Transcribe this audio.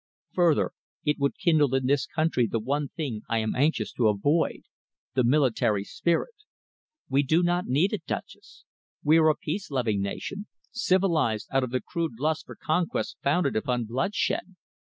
Further, it would kindle in this country the one thing I am anxious to avoid the military spirit. We do not need it, Duchess. We are a peace loving nation, civilised out of the crude lust for conquest founded upon bloodshed.